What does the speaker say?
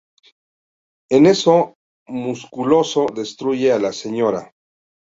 En eso, Musculoso destruye a la Sra.